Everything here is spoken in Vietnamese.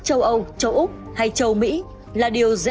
có thể nói rằng